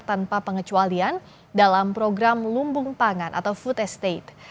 tanpa pengecualian dalam program lumbung pangan atau food estate